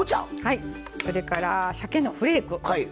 それから、さけのフレーク。